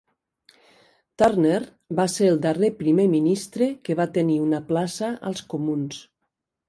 Turner va ser el darrer primer ministre que va tenir una plaça als comuns.